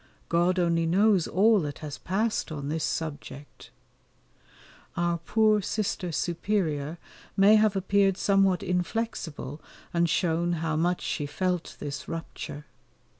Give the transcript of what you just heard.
God only knows all that has passed on this subject. Our poor Sister Superior may have appeared somewhat inflexible and shown how much she felt this rupture.